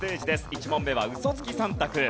１問目はウソつき３択。